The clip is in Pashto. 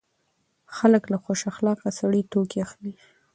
خلک له خوش اخلاقه سړي توکي اخلي.